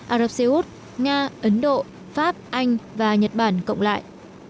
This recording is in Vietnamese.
ả rập xê út nga ấn độ pháp anh và nhật bản cộng lại